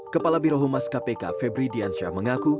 kepala birohumas kpk febri diansyah mengaku